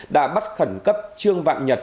đã bắt khẩn cấp trương vạn nhật